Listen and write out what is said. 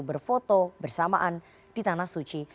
berfoto bersamaan di tanah suci